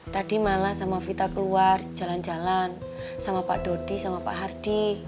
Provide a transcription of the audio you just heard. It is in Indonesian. tadi malavita keluar jalan jalan sama pak dodi sama pak hardi